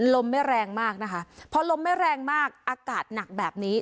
ลมไม่แรงมากนะคะพอลมไม่แรงมากอากาศหนักแบบนี้